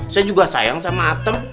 saya juga sayang sama atem